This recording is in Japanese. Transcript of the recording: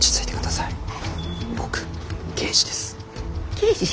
刑事？